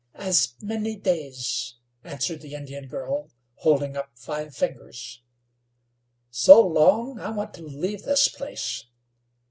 "As many days," answered the Indian girl, holding up five fingers. "So long? I want to leave this place."